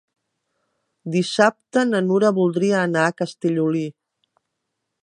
Dissabte na Nura voldria anar a Castellolí.